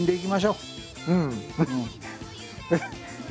うん！